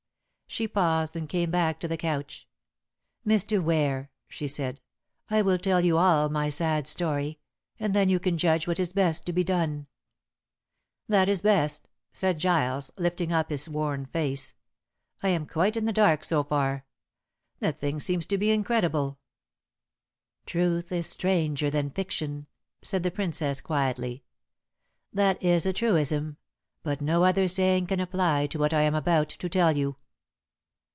She paused and came back to the couch. "Mr. Ware," she said, "I will tell you all my sad story, and then you can judge what is best to be done." "That is best," said Giles, lifting up his worn face. "I am quite in the dark so far. The thing seems to be incredible." "Truth is stranger than fiction," said the Princess quietly. "That is a truism, but no other saying can apply to what I am about to tell you."